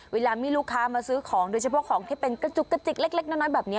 เวลามีลูกค้ามาซื้อของโดยเฉพาะของที่เป็นกระจุกกระจิกเล็กน้อยแบบนี้